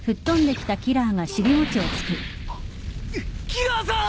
キラーさん！